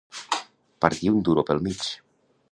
Partir un duro pel mig.